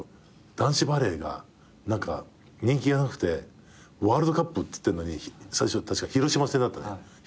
男子バレーが人気がなくてワールドカップっていってんのに最初確か広島で。